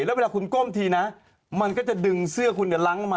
แล้วเวลาคุณก้มทีนะมันก็จะดึงเสื้อคุณล้างออกมา